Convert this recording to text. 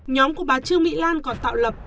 nhóm của bà trương mỹ lan còn tạo lập